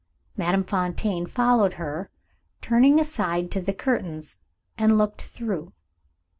Madame Fontaine, following her, turned aside to the curtains, and looked through.